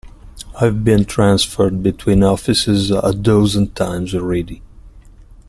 I've been transferred between offices a dozen times already.